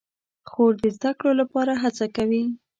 خور د زده کړو لپاره هڅه کوي.